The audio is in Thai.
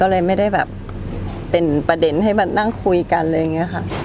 ก็เลยไม่ได้แบบเป็นประเด็นให้มันนั่งคุยกันเลยเนี้ยค่ะ